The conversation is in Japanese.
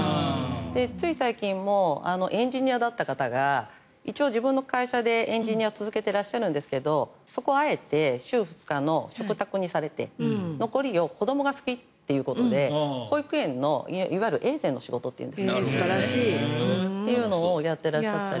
つい最近もエンジニアだった方が一応、自分の会社でエンジニアを続けてらっしゃるんですがそこをあえて週２日の嘱託にされて残りを子どもが好きということで保育園の仕事をやってらっしゃったり。